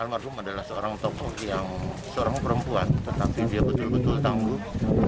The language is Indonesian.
almarhum adalah seorang tokoh yang seorang perempuan tetapi dia betul betul tangguh